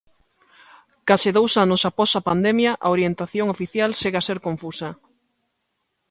Case dous anos após a pandemia, a orientación oficial segue a ser confusa.